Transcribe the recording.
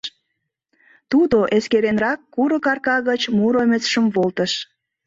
Тудо эскеренрак курык арка гыч Муромецшым волтыш.